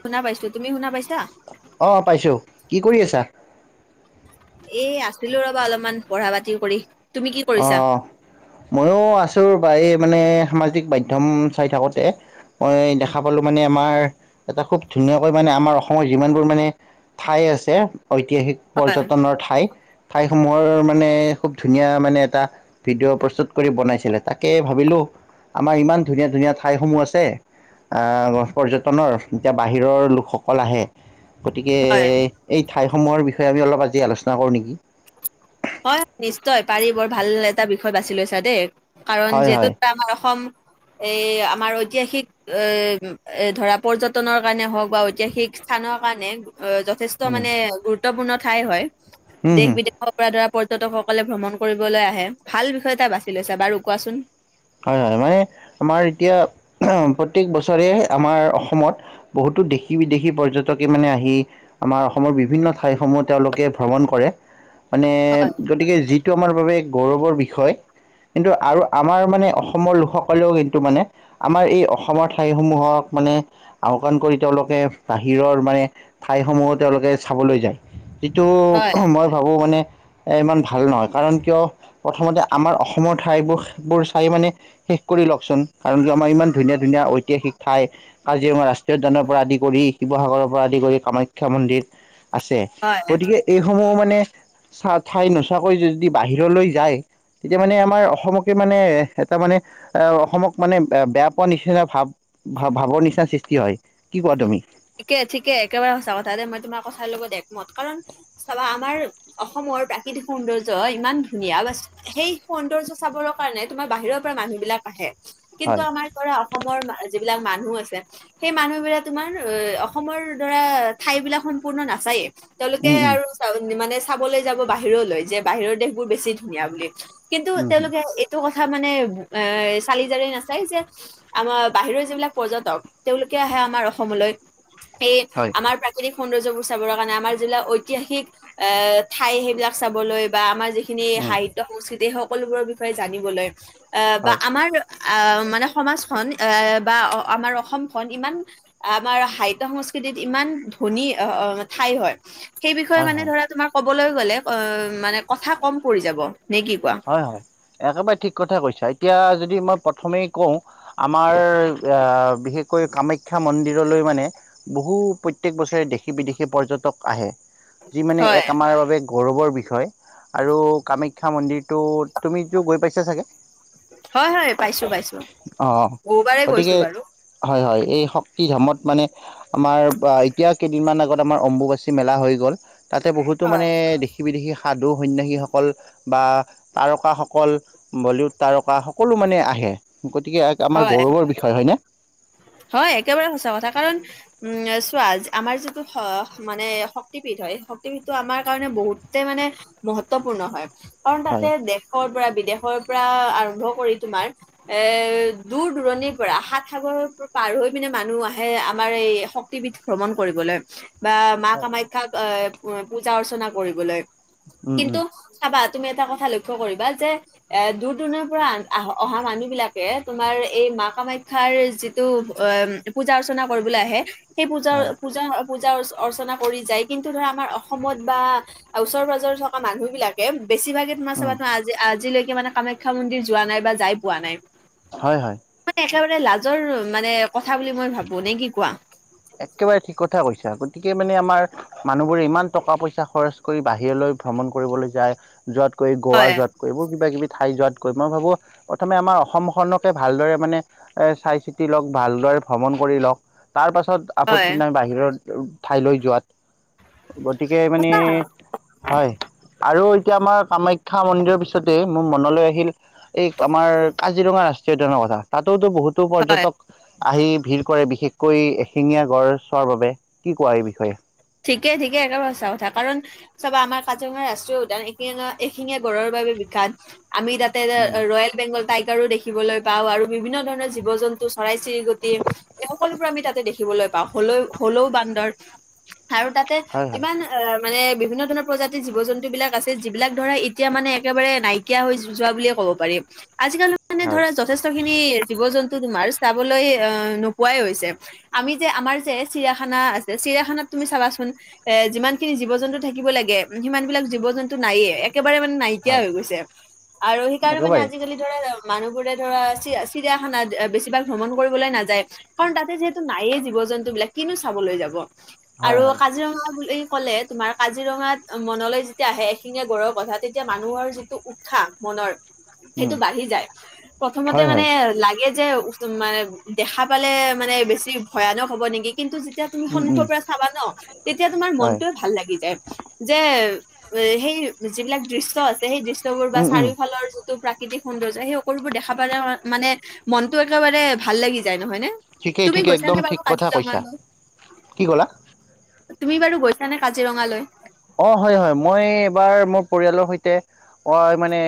শুনা পাইছো তুমি শুনা পাইছা? অঁ পাইছোঁ। কি কৰি আছা? এ আছিলো ৰবা অলপমান পঢ়া পাতি কৰি তুমি কি অ কৰিছা মইয়ো আছোঁ ৰবা এই মানে সামাজিক মাধ্যম চাই থাকোঁতে মই দেখা পালোঁ মানে আমাৰ এটা খুব ধুনীয়াকৈ মানে আমাৰ অসমৰ যিমানবোৰ মানে ঠাই আছে ঐতিহাসিক হয় পৰ্যটনৰ ঠাই ঠাইসমূহৰ মানে খুব ধুনীয়া মানে এটা ভিডিঅ' প্ৰস্তুত কৰি বনাইছিলে তাকে ভাবিলো আমাৰ ইমান ধুনীয়া, ধুনীয়া ঠাইসমূহ আছে আ পৰ্যটনৰ এতিয়া বাহিৰৰ লোকসকল আহে গতিকে হয় এই ঠাইসমূহৰ বিষয়ে আমি অলপ আজি আলোচনা কৰো নেকি হয় নিশ্চয় পাৰি বৰ ভাল এটা বিষয় বাছি লৈছা দেই। কাৰণ হয় হয় যিহেতু তাম অসম এই আমাৰ ঐতিহাসিক এ এ ধৰা পৰ্যটনৰ কাৰণে হওক বা ঐতিহাসিক স্থানৰ কাৰণে অ য- যথেষ্ট উম, মানে গুৰুত্বপূৰ্ণ ঠাই হয় উম, দেশ হম, বিদেশৰ পৰা ধৰা পৰ্যটকসকলে ভ্ৰমণ কৰিবলৈ আহে ভাল বিষয় এটা বাছি লৈছা বাৰু কোৱাচোন? হয় হয় মানে আমাৰ এতিয়া প্ৰত্যেক বছৰে আমাৰ অসমত, বহুতো দেশী বিদেশী পৰ্যটকে মানে আহি আমাৰ অসমৰ বিভিন্ন ঠাইসমূহ তেওঁলোকে ভ্ৰমণ কৰে। মানে হয় গতিকে যিটো আমাৰ বাবে গৌৰৱৰ বিষয় কিন্তু আৰু আমাৰ মানে অসমৰ লোকসকলেও কিন্তু মানে আমাৰ এই অসমৰ ঠাইসমূহক মানে আওকাণ কৰি তেওঁলোকে বাহিৰৰ মানে ঠাইসমূহো তেওঁলোকে চাবলৈ যায়। যিটো হয় মই ভা- ভাবো মানে ইমান ভাল নহয় কাৰণ কিয় প্ৰথমতে আমাৰ অসমৰ ঠাইবোৰ বোৰ ঠাই মানে শেষ কৰি লওকচোন কাৰণ কিয় আমাৰ ইমান ধুনীয়া ধুনীয়া ঐতিহাসিক ঠাই কাজিৰঙা ৰাষ্ট্ৰীয় উদ্যানৰ পৰা আদি কৰি, শিৱসাগৰৰ পৰা আদি কৰি, কামাখ্যা মন্দিৰ আছে। হয় গতিকে এইসমূহ মানে চা ঠাই নোচোৱাকৈ যদি বাহিৰলৈ যায় তেতিয়া মানে আমাৰ অসমকে মানে এটা মানে আহ অসমক মানে বে বেয়া পোৱা নিচিনা ভাৱ ভা ভাৱৰ নিচিনা সৃষ্টি হয় কি কোৱা তুমি ঠিকে ঠিকে একেবাৰে সঁচা কথা দেই মই তোমাৰ কথ লগত একমত কাৰণ চাবা আমাৰ অসমৰ প্ৰাকৃতিক সৌন্দৰ্য ইমান ধুনীয়া বা সেই সৌন্দৰ্য চাবলক কাৰণে তোমাৰ বাহিৰৰ পৰা মানুহ বিলাক আহে। কিন্তু হয় আমাৰ কৰা অসমৰ মা যিবিলাক মানুহ আছে সেই মানুহ বিলাক তোমাৰ অ অসমৰ ধৰা ঠাই বিলাক সম্পূৰ্ণ নাচায়েই তেওঁলোকে উম উম আৰু চাওন মানে চাবলৈ যাব বাহিৰলৈ যে বাহিৰৰ দেশবোৰ বেছি ধুনীয়া বুলি কিন্তু উম হম তেওঁলোকে এই- টো কথা মানে এ চালি জাৰি নাচায় যে আমাৰ বাহিৰৰ যিবিলাক পৰ্যটক তেওঁলোকে আহে আমাৰ অসমলৈ সেই হয় আমাৰ প্ৰা- কৃতিক সৌন্দৰ্যবোৰ চাবৰ কাৰণে আমাৰ যিবিলাক ঐতিহাসিক এ ঠাই সেইবিলাক চাবলৈ বা আমাৰ যি- খিনি উম সাহিত্য‌ সংস্কৃতি সকলোবোৰৰ বিষয়ে জানিবলৈ এ বা হয় আমাৰ আহ মানে সমাজখন এ বা আমাৰ অসমখন ইমান আমাৰ সাহিত্য সংস্কৃতিত ইমান ধনী অহ অহ ঠাই হয় সেই বিষয়ে হয় মানে হয় ধৰা তোমাক ক'বলৈ গ'লে অ মানে কথা কম পৰি যাব নে কি কোৱা হয় হয় একেবাৰে ঠিক কথা কৈছা এতিয়া যদি মই প্ৰথমেই কওঁ আমাৰ আ বিশেষকৈ কামাখ্যা মন্দিৰলৈ মানে বহু প্ৰত্যেক বছৰে দেশী-বিদেশী পৰ্যটক আহে যি মানে হয় এক আমাৰ বাবে গৌৰৱৰ বিষয় আৰু কামাখ্যা মন্দিৰ [unintelligible] ত' তুমিটো গৈ পাইছা চাগে? [inaudible] হয়-হয়, পাইছো-পাইছো বহুবাৰে গৈছো বাৰু। [unintelligible] হয়-হয়, এই শক্তি ধামত মানে [inaudible] আমাৰ এতিয়া কেইদিনমান আগত আমাৰ অম্বুবাচী মেলা হৈ গ'ল। [unintelligible] তাতে বহুতো হয় মানে দেশ-বিদেশী সাধু-সন্যাসীসকল বা [unintelligible] তাৰকাসকল, বলিউড তাৰকাসকল সকলো মানে আহে গতিকে আমাৰ হয় গৌৰৱৰ বি [unintelligible] বিষয় হয়নে? [inaudible] হয় একেবাৰে সঁচা কথা কাৰণ [inaudible] উম, চোৱা আমাৰ যিটো মানে [unintelligible] শক্তিপীঠ হয় শক্তিপীঠটো আমাৰ কাৰণে বহুত বহুতে মানে মহত্বপূৰ্ণ হয় কাৰণ তাতে হয় দেশ [inaudible] দেশৰ পৰা, বিদেশৰ পৰা আৰম্ভ কৰি তোমাৰ [inaudible] এ [unintelligible] দূৰ-দূৰণিৰ পৰা, সাত সাগৰৰ [inaudible] পাৰ হৈ পিনে মানুহ আহে আমাৰ এই শক্তিপীঠ ভ্ৰমণ কৰিবলৈ বা মা হয়। কামাখ্যা [inaudible] কামাখ্যাত এ পূজা-অৰ্চনা কৰিবলৈ উম উম কিন্তু [unintelligible] চাবা তুমি এটা কথা লক্ষ্য কৰিবা যে [unintelligible] এ দূৰ-দূৰণিৰ পৰা আহ অহা মানুহবিলাকে তোমাৰ এই মা কামাখ্যাৰ যি [unintelligible] টো [unintelligible] পূজা-অৰ্চনা কৰিবলৈ আহে সেই হয় পূজা-পূজা পূজা অৰ্চ-অৰ্চনা কৰি যায় কিন্তু ধৰা আমাৰ অসমত বা [inaudible] [unintelligible] ওচৰ-পাঁজৰে থকা মানুহ বিলাকে বেছিভাগে তোমাৰ উম চাবা চোন আজি-আজিলৈকে মানে কামাখ্যা মন্দিৰ যোৱা নাই বা যাই পোৱা নাই। [inaudible] হয়-হয়। মানে একেবাৰে লাজৰ মানে কথা বুলি মই ভাবো, নে কি কোৱা? [inaudible] একেবাৰে ঠিক কথা কৈছা আৰু গতিকে মানে আমাৰ [unintelligible] মানুহবোৰে ইমান টকা-পইচা খৰচ কৰি বাহিৰলৈ ভ্ৰমণ কৰিবলৈ যায়, যোৱাতকৈ গোৱা হয় যোৱাত [inaudible] এইবোৰ কিবাকিবি ঠাই যোৱাতকৈ মই ভাবোঁ প্ৰথমে আমাৰ অসমখনকে ভালদৰে মানে [inaudible] এ চাই-চিতি লওক, ভালদৰে ভ্ৰমণ কৰি লওক, তাৰ পাছত [inaudible] হয় আপত্তি নাই বাহিৰৰ ঠাইলৈ যোৱাত। গতিকে মানে [inaudible] হয় আৰু এতিয়া আমাৰ কামাখ্যা মন্দিৰৰ পিছতে মোৰ মনলৈ আহিল [inaudible] এই আমাৰ কাজিৰঙা ৰাষ্ট্ৰীয় উদ্যানৰ কথা তাতো তো বহুত [unintelligible] [unintelligible] হয় পৰ্যটক আহি ভিৰ কৰে বিশেষকৈ এশিঙীয়া গঁড় চোৱাৰ বাবে, কি কোৱা এই বিষয়ে? [inaudible] ঠিকেই-ঠিকেই একেবাৰে সঁচা কথা কাৰণ [inaudible] চাবা আমাৰ কাজিৰঙা ৰাষ্ট্ৰীয় উদ্যান এশিঙীয়া-এশিঙীয়া গঁড়ৰ বাবে বিখ্যাত। আমি তাত [inaudible] উম [unintelligible] ৰয়েল বেংগল টাইগাৰো দেখিবলৈ পাওঁ আৰু বিভিন্ন ধৰণৰ জীৱ-জন্তু চৰাই-চিৰিকটি এই সকলোবোৰ আমি তাতে দেখিবলৈ পাওঁ। হলৌ-হলৌ বান্দৰ [unintelligible] আৰু তাতে হয় হয় ইমান [unintelligible] আহ মানে বিভিন্ন ধৰণৰ প্ৰজাতিৰ জীৱ-জন্তুবিলাক আছে যিবিলাক ধৰা এতিয়া মানে একেবাৰে নাই [unintelligible] নাইকিয়া হৈ যোৱা বুলিয়ে ক'ব পাৰি। আজিকালি মানে হয় ধৰা যথেষ্টখিনি জীৱ-জন্তু [inaudible] [unintelligible] তোমাৰ চাবলৈ আহ নোপোৱাই হৈছে। আমি যে আমাৰ যে চিৰিয়াখানা আছে চিৰিয়াখানা তুমি চাবা চোন এ যিমানখিনি জীৱ-জন্তু থাকিব লাগে, সিমানবিলাক জীৱ-জন্তু নায়েই। [unintelligible] একেবাৰে মানে নাইকিয়া হয় হৈ গৈছে আৰু সেইকাৰণে মানে একেবাৰে আজিকালি [unintelligible] ধৰা মানুহবোৰে ধৰা চিৰিয়া-চিৰিয়াখানা বেছিভাগ ভ্ৰমণ কৰিবলৈ নাযায়। [unintelligible] কাৰণ তাতে যিহেতু নায়েই জীৱ-জন্তুবিলাক কিনো চাবলৈ যাব। [unintelligible] আৰু হয় হয় কাজিৰঙা বুলি ক'লে [inaudible] তোমাৰ কাজিৰঙাত মনলৈ যেতিয়া আহে এশিঙীয়া গড়ৰ কথা তেতিয়া মানুহৰ যিটো উৎসাহ মনৰ উম সেইটো বাঢ়ি যায়, প্ৰথমতে হয় মানে হয় লাগে যে মানে- দেখা পালে মানে বেছি ভয়ানক হব নেকি, কিন্তু যেতিয়া তুমি উম সন্মুখৰ উম পৰা চাবা ন, তেতিয়া তোমাৰ হয় মনটোৱে ভাল লাগি যায়। যে সেই যিবিলাক দৃশ্য আছে, সেই দৃশ্যবোৰ বা উম উম চাৰিওফালৰ টো প্ৰাকৃতিক সৌন্দ্যয় সেই সকলোবোৰ দেখা পাল মানে মনতটো একেবাৰে ভাল লাগি যায় নহয় নে। ঠিকেই তুমি ঠিকেই একদম গৈছানে বাৰু ঠিক কথা কৈছা, কাজিৰঙালৈ কি ক'ল তুমি বাৰু গৈছা নে কাজিৰঙালৈ? অঁ হয় হয়, মই এবাৰ মোৰ পৰিয়ালৰ সৈতে অই মানে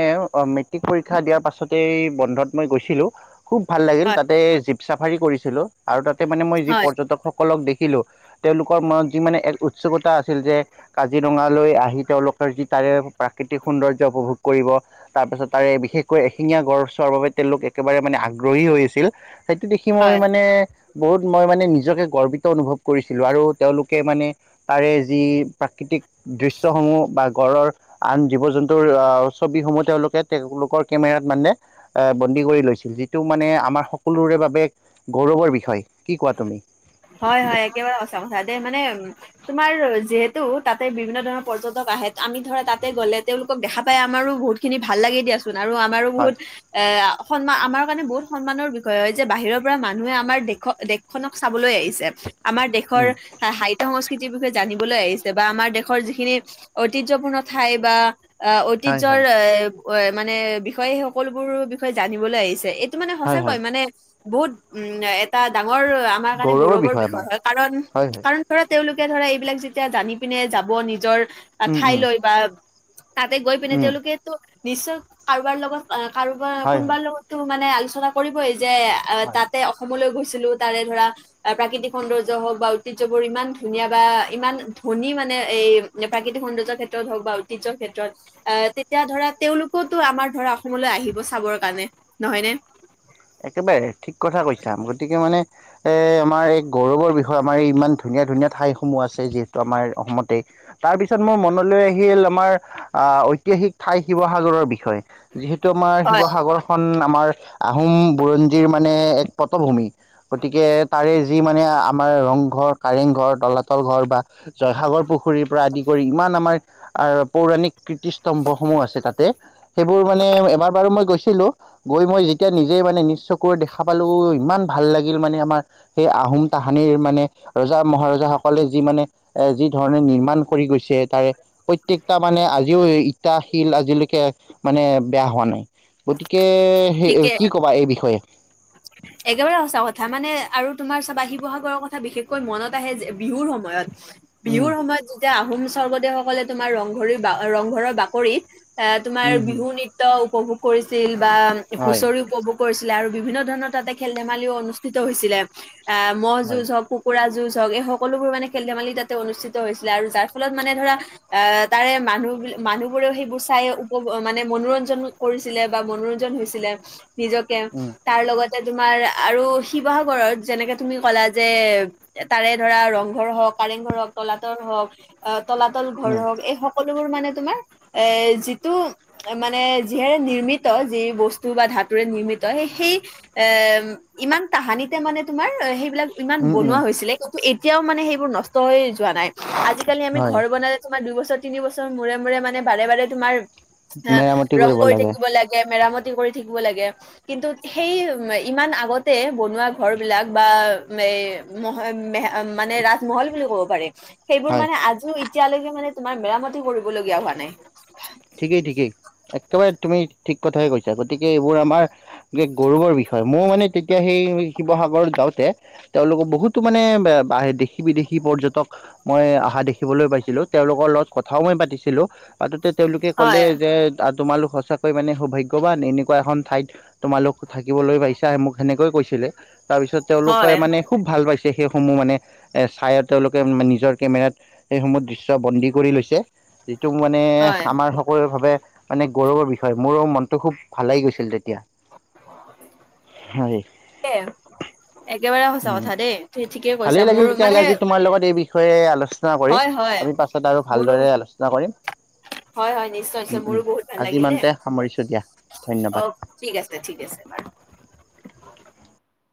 মেট্ৰিক পৰীক্ষা দিয়াৰ পাছতেই বন্ধত মই গৈছিলো। খুব ভাল লাগিল, হয়, তাতে জীপ চাফাৰী কৰিছিলো আৰু তাতে মানে মই যি হয়, পৰ্যটক সকলক দেখিলো তেওঁলোকৰ মনত যি মানে এক উৎসুকতা আছিল যে- কাজিৰঙালৈ আহি তেওঁলোকৰ যি তাৰে প্ৰাকৃতিক সৌন্দৰ্য উপভোগ কৰিব। তাৰপিছত তাৰে বিশেষকৈ এশিঙীয়া গড় চোৱাৰ বাবে তেওঁলোক একেবাৰে মানে আগ্ৰহী হৈ আছিল। সেইটো দেখি হয়, মই মানে বহুত মই মানে নিজকে গৰ্বিত অনুভৱ কৰিছিলো, আৰু তেওঁলোকে মানে তাৰে যি প্ৰাকৃতিক দৃশ্যসমূহ বা গড়ৰ আন জীৱ জন্তুৰ আঁ ছবিসমূহ তেওঁলোকে তেওঁলোকৰ কেমেৰাত মানে এ বন্দী কৰি লৈছিল, যিটো মানে আমাৰ সকলোৰে বাবে গৌৰৱৰ বিষয়, কি কোৱা তুমি? হয় হয়, একেবাৰে সচা কথা দে মানে তোমাৰ যিহেতু তাতে বিভিন্ন ধৰণৰ পৰ্যটক আহে, আমি ধৰা তাতে গ'লে তেওঁলোকক দেখা পাই আমাৰো বহুত খিনি ভাল লাগে দিয়াচোন আৰু আমাৰো বহুত হয় এ সন্মান আমাৰ কাৰণে বহুত সন্মানৰ বিষয় হয় যে বাহিৰৰ পৰা মানুহে আমাৰ দেশক দেশখনক চাবলৈ আহিছে। আমাৰ দেশৰ উম সাহিত্য সংস্কৃতিৰ বিষয়ে জানিবলৈ আহিছে বা আমাৰ দেশৰ যিখিনি ঐতিহ্যপূৰ্ণ ঠাই বা অ হয় ঐতিহ্যৰ হয় এ মানে বিষয় সকলোবোৰ বিষয়ে জানিবলৈ আহিছে। টো মানে হয় হয় সঁচাকৈ মানে বহুত উম এটা ডাঙৰ আমাৰ কাৰণে গৌৰৱৰ বিষয় হয়, কাৰণ হয় হয় কাৰণ ধৰা তেওঁলোকে ধৰা এইবিলাক যেতিয়া জানি পিনে যাব নিজৰ উম উম ঠাইলৈ বা তাতে গৈ পিনে উম তেওঁলোকেতো নিশ্চয় কাৰোবাৰ লগত কাৰোবাৰ হয় হয় কোনোবাৰ লগত টো মানে আলোচনা কৰিবই যে অঁ হয় তাতে অসমলৈ গৈছিলো, তাৰে ধৰা প্ৰাকৃতিক সৌন্দৰ্য হওক বা ঐতিহ্য বোৰ ইমান ধুনীয়া বা ইমান ধনী মানে এই প্ৰাকৃতি সৌন্দৰ্য ক্ষেত্ৰত হওক বা ঐতিহৰ ক্ষেত্ৰত আ তেতিয়া ধৰা তেওঁলোকোতো আমাৰ ধৰা অসমলৈ আহিব চাবৰ কাৰণে নহয় নে। একেবাৰে ঠিক কথা কৈছা, গতিকে মানে আমাৰ এই গৌৰৱৰ বিষয়ে আমাৰ এই ইমান ধুনীয়া ধুনীয়া ঠাইসমূহ যিহেতু আমাৰ অসমতেই তাৰ পিছত মোৰ মনলৈ আহিল আমাৰ আহঁ ঐতিহাসিক ঠাই শিৱসাগৰৰ বিষয়ে। যিহেতু আমাৰ হয় শিৱসাগৰখনন আমাৰ আহোম বুৰঞ্জীৰ মানে এক পটভূমি। গতিকে তাৰে যি মানে আমাৰ ৰংঘৰ, কাৰেংঘৰ, তলাতল ঘৰ বা জয়সাগৰ পুখুৰীৰৰ পৰা আদি কৰি ইমান আমাৰ আৰু পৌৰাণিক কীৰ্তিস্তম্ভসমূহ আছে তাতে। সেইবোৰ মানে এবাৰ বাৰু মই গৈছিলো, গৈ মই দে এতিয়া নিজেই মানে নিজ চকুৰে দেখা পালোঁ ইমান ভাল লাগিল মানে আমাৰ। সেই আহোম তাহানিৰ মানে ৰজা মহাৰজাাসকলে যি মানে এ যি ধৰণে নিৰ্মাণ কৰি গৈছে তাৰে প্ৰত্যেকটা মানে আজিও ই ইটা শিল আজিলৈকে মানে বেয়া হোৱা নাই। গতিকে সেই ঠিকে কি কবা এই বিষয়ে? একেবাৰে সঁচা কথা মানে আৰু তোমাৰ চাবা শিৱসাগৰৰ কথা বিশেষকৈ মনত আহে বিহুৰ সময় সময়ত উম বিহুৰ সময়ত তিয়া আহোম স্বৰ্গদেউসকলে তোমাৰ ৰংঘৰি ৰংঘৰৰ বাকৰিত এ তোমাৰ উম হম বিহু নৃত্য উপভোগ কৰিছিল বা হয় হুঁচৰি উপভোগ কৰিছিল আৰু বিভিন্ন ধৰণৰ তাতে খেল ধেমালিও অনুষ্ঠিত হৈছিলে এ মহ হয় যুজ হওক কুকুৰা যুঁজ হওক এই সকলোবোৰ মানে খেল ধেমালি তাতে অনুষ্ঠিত হৈছিলে আৰু যাৰ ফলত মানে ধৰা আহ তাৰে মানুহ মানুহবোৰেও সেইবোৰ চাই উপ মানে মনোৰঞ্জন কৰিছিলে বা মনোৰঞ্জন হৈছিলে নিজকে উম তাৰ লগতে তোমাৰ আৰু শিৱসাগৰত যেনেকে তুমি ক'লা যে তাৰে ধৰা ৰংঘৰ হওক কাৰেংঘৰ হওক তলাতল হওক আহ তলাতল ঘৰ উম হওক এই সকলোবোৰ মানে তোমাৰ এ যিটো মানে যিহেৰে নিৰ্মিত যি বস্তু বা ধাতুৰে নিৰ্মিত সেই সেই এ ইমান তাহানিতে মানে তোমাৰ সেইবিলাক ইমান উম উম বনোৱা হৈছিলে ত এতিয়াও মানে সেইবোৰ নষ্ট হৈ যোৱা নাই আজিকালি আমি হয় ঘৰ বনাই তোমাৰ দুইবছৰ তিনি বছৰ মূৰে মূৰে মানে বাৰে বাৰে তোমাৰ হ মেৰামতি ৰং কৰিব কৰি থাকিব লাগে মেৰামতি কৰি থাকিব লাগে কিন্তু সেই ইমান আগতে বনোৱা ঘৰ বিলাক বা এ মহ মানে ৰা মহল বুলি ক'ব পাৰি। সেইবোৰ হয় মানে আজিও এতিয়ালৈকে মানে তোমাৰ মেৰামতি কৰিব লগিয়া হোৱা নাই। ঠিকেই ঠিকেই একেবাৰে তুমি ঠিক কথাই কৈছা গতিকে এইবোৰ আমাৰ গৌৰৱৰ বিষয় মও মানে তেতিয়া সেই শিৱসাগৰ যাওঁতে তেওঁলোকৰ বহুতো মানে দেশী বিদেশী পৰ্যটক মই অহা দেখিবলৈ পাইছিলোঁ তেওঁলোকৰ লগত কথাও মই পাতিছিলোঁ পাতোতে তেওঁলোকে ক'লে হয় যে তোমালোক সঁচাকৈ মানে সৌভাগ্যবান এনেকুৱা এখন ঠাইত তোমালোক থাকিবলৈ পাইছা মোক সেনেকৈয়ে কৈছিলে তাৰপিছত তেওঁলোকে হয় মানে খুব ভাল পাইছে সেইসমূহ মানে এ চাই তেওঁলোকে নিজৰ কেমেৰাত সেইসমূহ দৃশ্য বন্দী কৰি লৈছে যিটো মানে হয় আমাৰ সকলোৰে ভাবে মানে গৌৰৱৰ বিষয় মোৰো মনটো খুব ভাল লাগি গৈছিল তেতিয়া। হয়। দে একেবাৰে সঁচা উম কথা দেই ঠিকে ভালেই কৈছা লাগিল মোৰ তেতিয়াহ'লে মানে আজি তোমাৰ লগত এই বিষয়ে আলোচনা কৰি হয় হয় আমি পাছত আৰু মোৰো ভালদৰে আলোচনা কৰিম। হয় হয় নিশ্চয় উম নিশ্চয় উম মোৰো বহুত ভাল আজি লাগিলে। ইমানতে সামৰিছোঁ দিয়া ধন্যবাদ অ ঠিক আছে ঠিক আছে বাৰু।